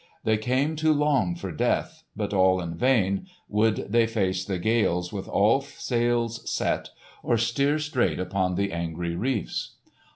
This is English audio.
They came to long for death, but all in vain would they face the gales with all sails set, or steer straight upon the angry reefs.